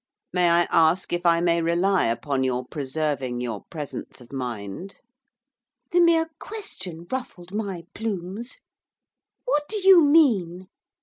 'May I ask if I may rely upon your preserving your presence of mind?' The mere question ruffled my plumes. 'What do you mean?